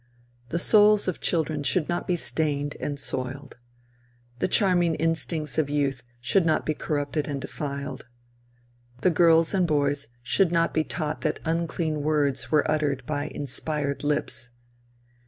The souls of children should not be stained and soiled. The charming instincts of youth should not be corrupted and defiled. The girls and boys should not be taught that unclean words were uttered by "inspired" lips.